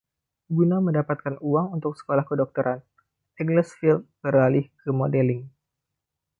Guna mendapatkan uang untuk sekolah kedokteran, Egglesfield beralih ke modeling.